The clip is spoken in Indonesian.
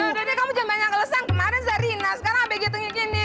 udah udah deh kamu jangan banyak ngelesang kemarin zarina sekarang abie gitu ini